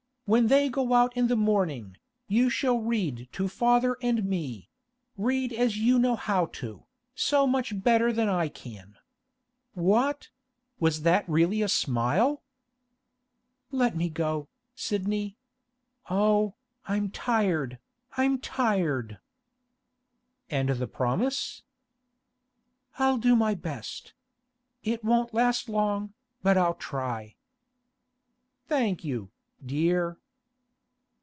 When they go out in the morning, you shall read to father and me—read as you know how to, so much better than I can. What? Was that really a smile?' 'Let me go, Sidney. Oh, I'm tired, I'm tired!' 'And the promise?' 'I'll do my best. It won't last long, but I'll try.' 'Thank you, dear.